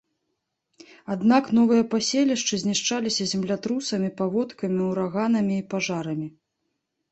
Аднак новыя паселішчы знішчаліся землятрусамі, паводкамі, ураганамі і пажарамі.